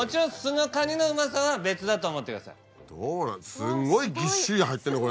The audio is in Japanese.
すごいぎっしり入ってるねこれ。